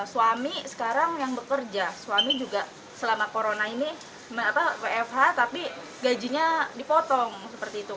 suami sekarang yang bekerja suami juga selama corona ini wfh tapi gajinya dipotong seperti itu